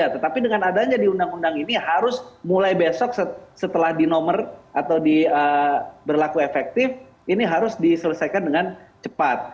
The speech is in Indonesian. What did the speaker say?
tetapi dengan adanya di undang undang ini harus mulai besok setelah di nomor atau di berlaku efektif ini harus diselesaikan dengan cepat